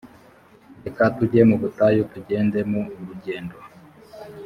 reka tujye mu butayu tugendemo urugendo